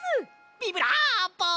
ビブラーボ！